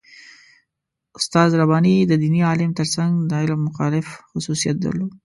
استاد رباني د دیني عالم تر څنګ د علم مخالف خصوصیت درلود.